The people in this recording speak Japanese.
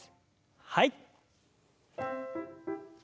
はい。